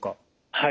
はい。